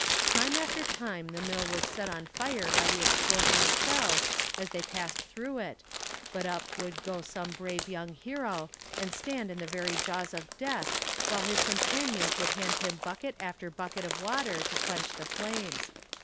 Time after time the mill was set on fire by the explosion of shells as they passed through it, but up would go some brave young hero, and stand in the very jaws of death while his companions would hand him bucket after bucket of water to quench the flames.